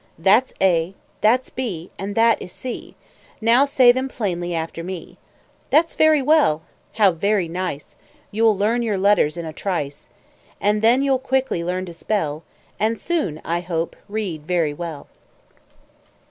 That's A, that's B, and that is C; Now say them plainly after me. That's very well! How very nice! You'll learn your letters in a trice. And then you'll quickly learn to spell, And soon, I hope, read very well.